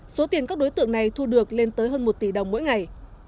số tiền các đối tượng này thu được lên tới hơn một tỷ đồng mỗi ngày